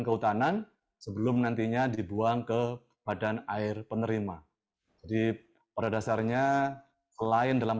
kehutanan sebelum nantinya dibuang ke badan air penerima jadi pada dasarnya klien dalam